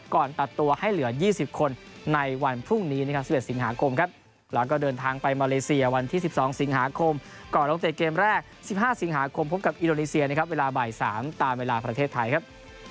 ตัดตัวให้เหลือ๒๐คนในวันพรุ่งนี้นะครับ๑๑สิงหาคมครับหลังก็เดินทางไปมาเลเซียวันที่๑๒สิงหาคมก่อนลงเตะเกมแรก๑๕สิงหาคมพบกับอินโดนีเซียนะครับเวลาบ่าย๓ตามเวลาประเทศไทยครับ